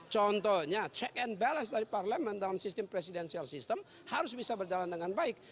contohnya check and balance dari parlemen dalam sistem presidensial system harus bisa berjalan dengan baik